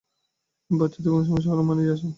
বাচ্চাদের কোনো সমস্যা হলে মা নিজে আসেন।